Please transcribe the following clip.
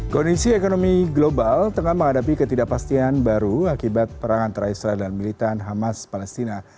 kondisi ekonomi global tengah menghadapi ketidakpastian baru akibat perang antara israel dan militan hamas palestina